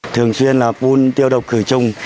thường xuyên là phun tiêu độc khử trùng